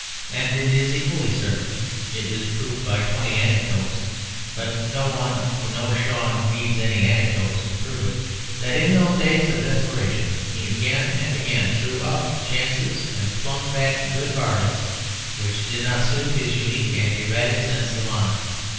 And it is equally certain (it is proved by twenty anecdotes, but no one who knows Shaw needs any anecdotes to prove it) that in those days of desperation he again and again threw up chances and flung back good bargains which did not suit his unique and erratic sense of honour.